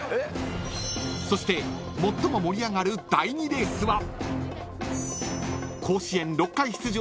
［そして最も盛り上がる第２レースは］